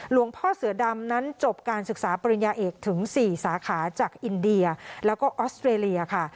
พ่อเสือดำนั้นจบการศึกษาปริญญาเอกถึง๔สาขาจากอินเดียแล้วก็ออสเตรเลียค่ะ